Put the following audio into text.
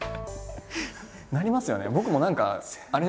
なりますよね。